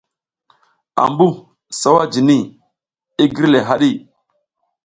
Ambuh sawa jini, i gir le haɗi.